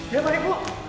ya pak ibu